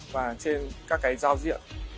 và trên các cái giao diện